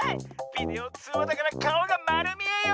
ビデオつうわだからかおがまるみえよ！